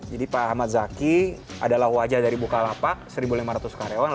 jadi pak ahmad zaki adalah wajah dari bukalapak seribu lima ratus karyawan